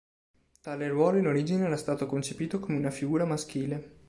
Tale ruolo in origine era stato concepito come una figura maschile.